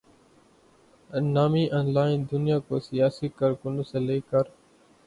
نامی online دنیا کو سیاسی کارکنوں سے لے کر